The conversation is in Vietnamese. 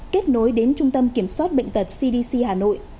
kết nối đến trung tâm kiểm soát bệnh tật cdc hà nội